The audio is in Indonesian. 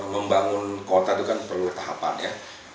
membangun kota itu kan perlu tahapan ya